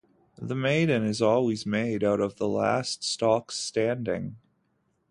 The Maiden is always made out of the last stalks standing.